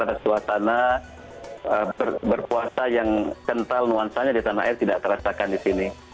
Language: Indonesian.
karena suasana berpuasa yang kental nuansanya di tanah air tidak terasakan di sini